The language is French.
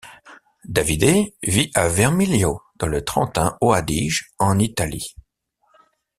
Davide vit à Vermiglio dans le Trentin-Haut-Adige en Italie.